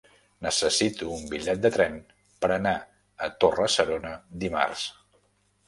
Necessito un bitllet de tren per anar a Torre-serona dimarts.